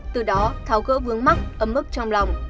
từ đó tháo gỡ vướng mắt ấm ức trong lòng